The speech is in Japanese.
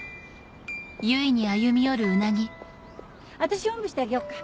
私がおんぶしてあげようか？